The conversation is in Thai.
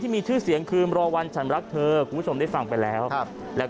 ที่มีชื่อเสียงคือมรอวันฉันรักเธอคุณสมได้ฟังไปแล้วแล้ว